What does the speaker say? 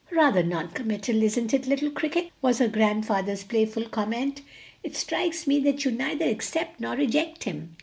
"Rather non committal, isn't it, little cricket?" was her grandfather's playful comment. "It strikes me that you neither accept nor reject him."